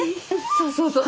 そうそうそう。